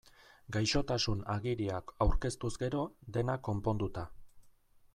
Gaixotasun-agiria aurkeztuz gero, dena konponduta.